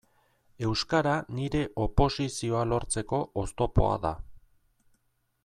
Euskara nire oposizioa lortzeko oztopoa da.